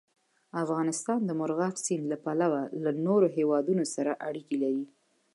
افغانستان د مورغاب سیند له پلوه له نورو هېوادونو سره اړیکې لري.